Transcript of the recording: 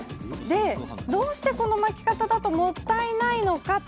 どうして、この巻き方だともったいないんでしょうか。